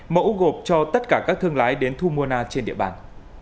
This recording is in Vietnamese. mẫu gộp cho tất cả các thương lái đến thu mua na trên địa bàn